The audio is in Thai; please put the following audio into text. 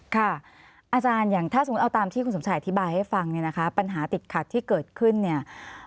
อาจารย์อย่างถ้าสมมุติเอาตามที่คุณสมชายอธิบายให้ฟังเนี่ยนะคะปัญหาติดขัดที่เกิดขึ้นเนี่ย